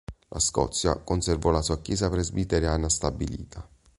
La Scozia conservò la sua chiesa presbiteriana stabilita.